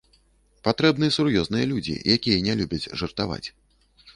Патрэбны сур'ёзныя людзі, якія не любяць жартаваць.